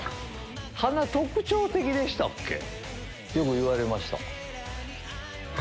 よく言われましたか？